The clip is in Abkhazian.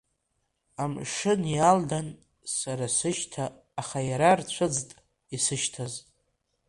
Амшын иалдан сара сышьҭа, аха иара рцәыӡт исышьҭаз.